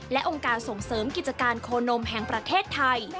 และองค์การส่งเสริมกิจการโคนมแห่งประเทศไทย